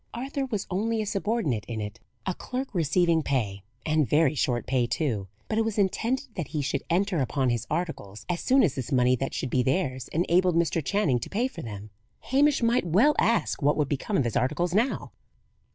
Arthur was only a subordinate in it, a clerk receiving pay and very short pay, too; but it was intended that he should enter upon his articles as soon as this money that should be theirs enabled Mr. Channing to pay for them. Hamish might well ask what would become of his articles now!